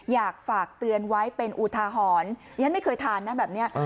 อยากฝากเตือนไว้เป็นอุทาหรณ์ฉันไม่เคยทานนะแบบนี้